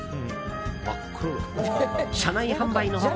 車内販売の他